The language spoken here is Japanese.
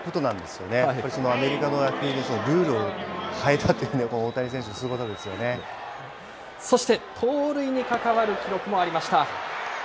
やっぱりアメリカの野球のルールを変えたというのが、そして盗塁に関わる記録もありました。